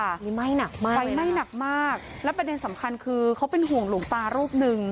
อันนี้ไหม้หนักมากไฟไหม้หนักมากแล้วประเด็นสำคัญคือเขาเป็นห่วงหลวงตารูปหนึ่ง